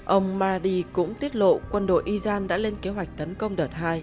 ông maradi cũng tiết lộ quân đội iran đã lên kế hoạch tấn công đợt hai